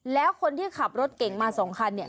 แล้วคนที่ขับรถเก๋งมา๒คัน